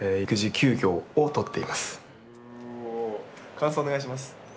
感想お願いします。